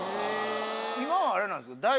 今はあれなんですか？